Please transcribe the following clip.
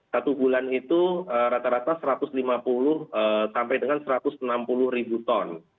satu bulan itu rata rata satu ratus lima puluh sampai dengan satu ratus enam puluh ribu ton